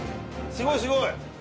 すごいすごい。